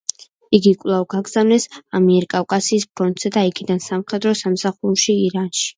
იგი კვლავ გაგზავნეს ამიერკავკასიის ფრონტზე და იქიდან სამხედრო სამსახურში ირანში.